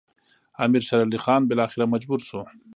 امیر شېر علي خان بالاخره مجبور شو.